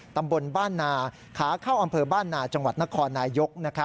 ตำบลบ้านนาขาเข้าอำเภอบ้านนาจังหวัดนครนายก